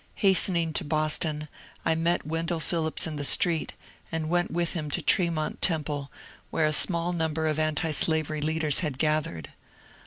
Hastening to Boston, I met Wendell Phillips in the street, and went with him to Tremont Temple, where a small number of antislayerj leaders had gathered.